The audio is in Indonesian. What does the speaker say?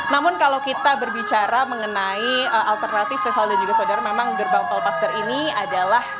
namun kalau kita berbicara mengenai alternatif rival dan juga saudara memang gerbang tol paster ini adalah